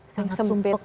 yang sempit itu